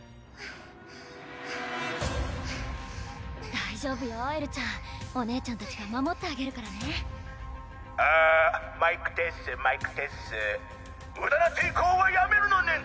大丈夫よエルちゃんお姉ちゃんたちが守ってあげるからね拡声機「あマイクテスマイクテス」「むだな抵抗はやめるのねん」